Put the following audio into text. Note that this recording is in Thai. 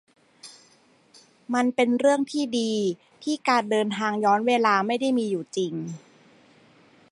มันเป็นเรื่องที่ดีที่การเดินทางย้อนเวลาไม่ได้มีอยู่จริง